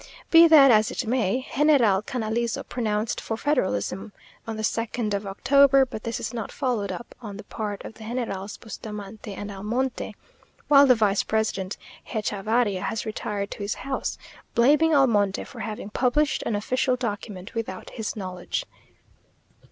Be that as it may, General Canalizo pronounced for federalism on the second of October, but this is not followed up on the part of the Generals Bustamante and Almonte, while the vice president, Hechavarria, has retired to his house, blaming Almonte for having published an official document without his knowledge.